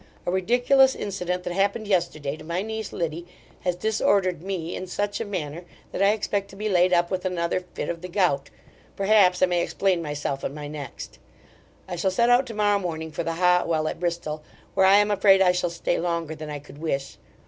A ridiculous incident that happened yesterday to my niece Liddy, has disordered me in such a manner, that I expect to be laid up with another fit of the gout perhaps, I may explain myself in my next. I shall set out tomorrow morning for the Hot Well at Bristol, where I am afraid I shall stay longer than I could wish.